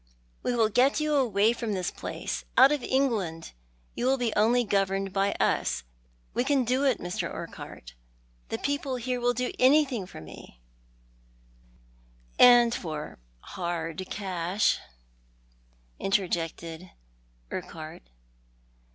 ^Yc will get you away from this place— oat of England — if you will only be governed by us. Wo can do it, Mr. Urquhart. The people here will do anything for me "" And for hard cash," interjected Urquhart.